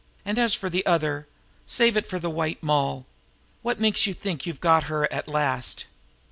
"And as for the other, save it for the White Moll. What makes you think you've got her at last?"